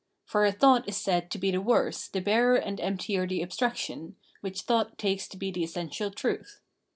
For a thought is said to be the worse, the barer and emptier the abstraction which thought takes to be the essential truth.